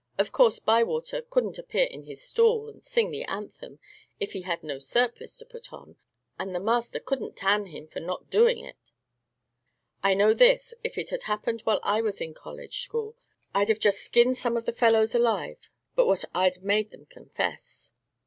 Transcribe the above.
"Of course Bywater couldn't appear in his stall, and sing the anthem, if he had no surplice to put on; and the master couldn't tan him for not doing it. I know this, if it had happened while I was in the college school, I'd just have skinned some of the fellows alive, but what I'd have made them confess."